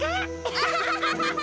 アハハハ！